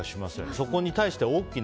そこに対して、大きな。